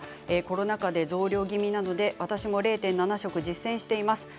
コロナ禍で増量気味なので私も０．７食実践しています。